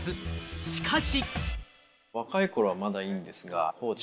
しかし。